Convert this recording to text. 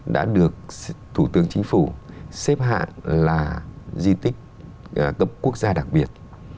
đã được thủ tướng chính phủ xếp hạng là di tích cấp quốc gia đặc biệt